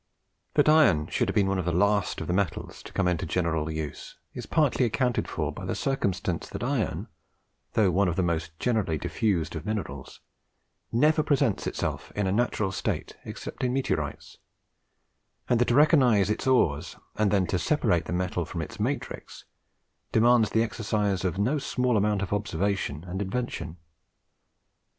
That iron should have been one of the last of the metals to come into general use, is partly accounted for by the circumstance that iron, though one of the most generally diffused of minerals, never presents itself in a natural state, except in meteorites; and that to recognise its ores, and then to separate the metal from its matrix, demands the exercise of no small amount of observation and invention.